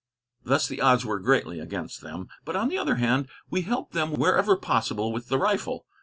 Thus the odds were greatly against them; but, on the other hand, we helped them wherever possible with the rifle.